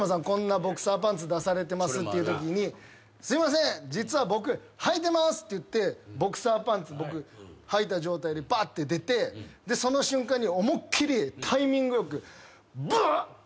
こんなボクサーパンツ出されてますっていうときにすいません実は僕はいてますって言ってボクサーパンツはいた状態でバッて出てでその瞬間に思いっ切りタイミング良く「ブッ！」